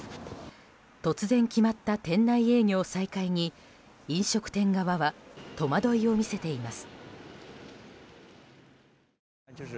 突然決まった店内営業再開に飲食店側は戸惑いを見せています。